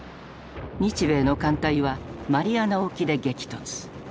日米の艦隊はマリアナ沖で激突。